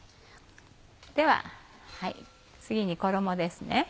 では次に衣です。